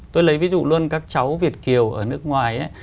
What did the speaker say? tôi lấy ví dụ luôn các cháu việt kiều ở nước ngoài